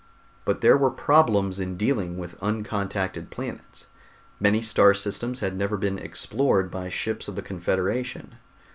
But there were problems in dealing with uncontacted planets. Many star systems had never been explored by ships of the Confederation.